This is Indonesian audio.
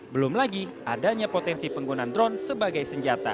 belum lagi adanya potensi penggunaan drone sebagai senjata